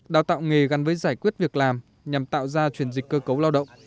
đào tạo nghề gắn với giải quyết việc làm nhằm tạo ra truyền dịch cơ cấu lao động